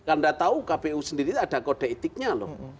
anda tahu kpu sendiri ada kode etiknya loh